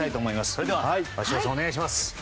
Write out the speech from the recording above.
それでは鷲尾さんお願いします。